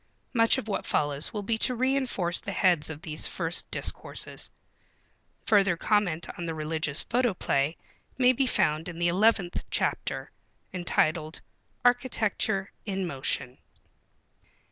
Much of what follows will be to reënforce the heads of these first discourses. Further comment on the Religious Photoplay may be found in the eleventh chapter, entitled "Architecture in Motion."